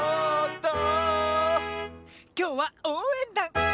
きょうはおうえんだん！